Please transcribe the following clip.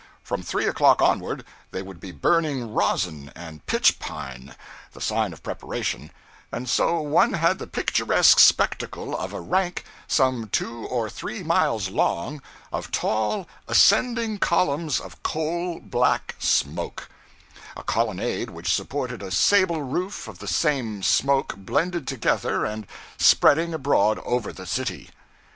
From three o'clock onward they would be burning rosin and pitch pine (the sign of preparation), and so one had the picturesque spectacle of a rank, some two or three miles long, of tall, ascending columns of coal black smoke; a colonnade which supported a sable roof of the same smoke blended together and spreading abroad over the city.